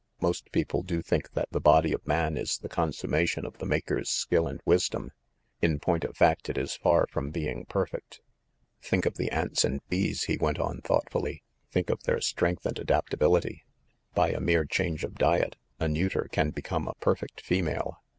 Most people do think that the body of man is the con summation of the Maker's skill and wisdom. In point of fact, it is far from being perfect. "Think of the ants and bees," he went on thought fully. "Think of their strength and adaptability ! By a mere change of diet a neuter can become a perfect female."